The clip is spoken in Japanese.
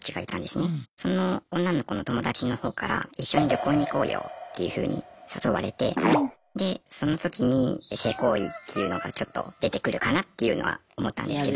その女の子の友達の方から一緒に旅行に行こうよっていうふうに誘われてでその時に性行為っていうのがちょっと出てくるかなっていうのは思ったんですけど。